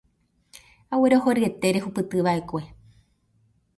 Aguerohoryete rehupytyva'ekue.